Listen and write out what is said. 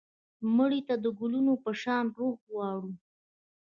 مړه ته د ګلونو په شان روح غواړو